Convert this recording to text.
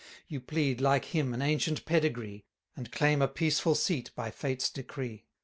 770 You plead, like him, an ancient pedigree, And claim a peaceful seat by fate's decree.